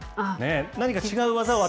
何か、違う技を。